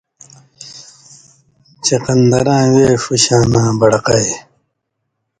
چقندراں وے ݜُوشاناں بڑقائ